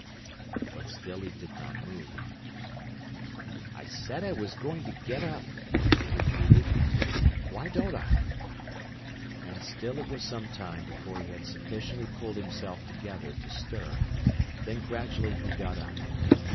But still he did not move. "I said I was going to get up," he repeated. "Why don't I?" And still it was some time before he had sufficiently pulled himself together to stir; then gradually he got up.